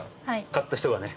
勝った人がね